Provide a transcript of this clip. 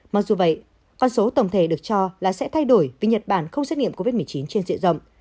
mặc dù vậy con số tổng thể được cho là sẽ thay đổi vì nhật bản không xét nghiệm covid một mươi chín trên diện rộng